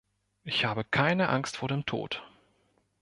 Ich habe keine Angst vor dem Tod.